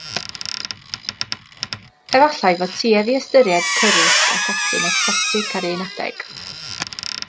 Efallai fod tuedd i ystyried cyrris ac ati'n ecsotig ar un adeg?